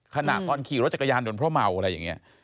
ขณะตอนขี่รถจักรยานยนต์เพราะเมาอะไรอย่างนี้